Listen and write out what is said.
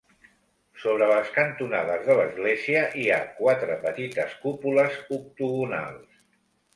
Sobre les cantonades de l'església hi ha quatre petites cúpules octogonals.